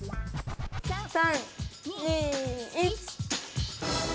３・２・１！